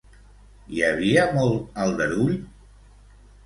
Hi havia molt aldarull?